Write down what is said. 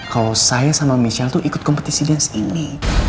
kalau saya sama michelle itu ikut kompetisi dance ini